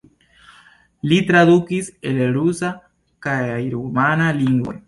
Li tradukis el rusa kaj rumana lingvoj.